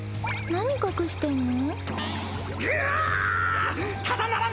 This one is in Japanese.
何隠してんの？